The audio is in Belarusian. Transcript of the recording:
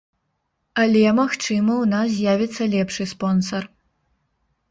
Але, магчыма, у нас з'явіцца лепшы спонсар.